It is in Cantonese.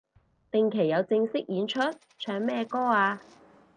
定期有正式演出？唱咩歌啊